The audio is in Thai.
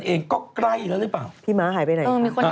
นั่งสมาธิอยู่ว่าเมื่อวานเห็น